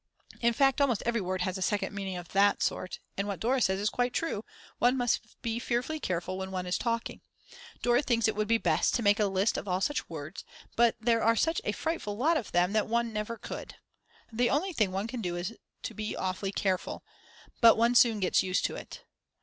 In fact almost every word has a second meaning of that sort, and what Dora says is quite true, one must be fearfully careful when one is talking. Dora thinks it would be best to make a list of all such words, but there are such a frightful lot of them that one never could. The only thing one can do is to be awfully careful; but one soon gets used to it.